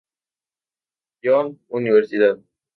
John Universidad.